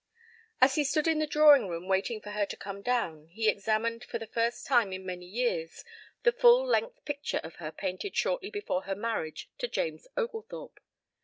As he stood in the drawing room waiting for her to come down he examined for the first time in many years the full length picture of her painted shortly before her marriage to James Oglethorpe.